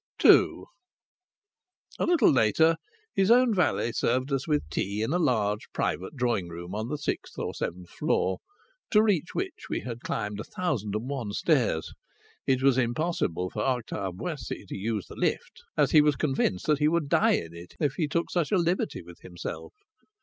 II A little later his own valet served us with tea in a large private drawing room on the sixth or seventh floor, to reach which we had climbed a thousand and one stairs; it was impossible for Octave Boissy to use the lift, as he was convinced that he would die in it if he took such a liberty with himself.